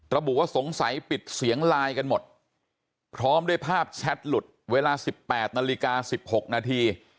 ระบุว่าสงสัยปิดเสียงไลน์กันหมดพร้อมด้วยภาพแชทหลุดเวลา๑๘นาฬิกา๑๖นาที